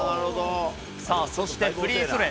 さあ、そしてフリースローへ。